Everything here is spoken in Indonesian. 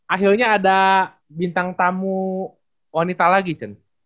akhirnya ada bintang tamu wanita lagi cen